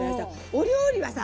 お料理はさ